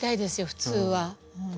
普通は。